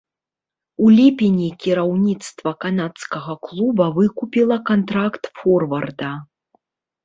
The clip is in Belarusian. У ліпені кіраўніцтва канадскага клуба выкупіла кантракт форварда.